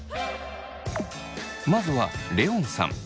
まずはレオンさん。